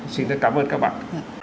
xin rất cảm ơn các bạn